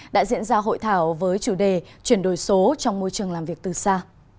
đã diễn ra hội thảo với chủ đề chuyển đổi số trong môi trường làm việc từ xa